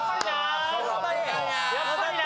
やっぱりな！